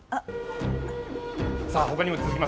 さあ、他にも続きます